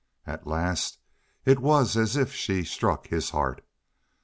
At last it was as if she struck his heart.